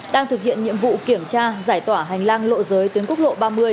đang thực hiện nhiệm vụ kiểm tra giải tỏa hành lang lộ giới tuyến quốc lộ ba mươi